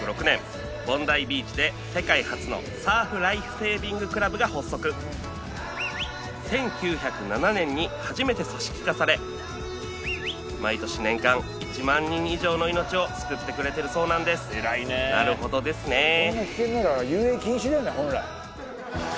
１９０６年ボンダイビーチで世界初のサーフライフセービングクラブが発足１９０７年に初めて組織化され毎年年間１万人以上の命を救ってくれてるそうなんですなるほどですね